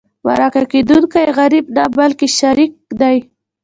مرکه کېدونکی غریب نه بلکې شریك دی.